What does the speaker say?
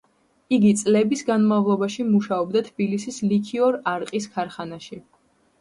იგი წლების განმავლობაში მუშაობდა თბილისის ლიქიორ–არყის ქარხანაში.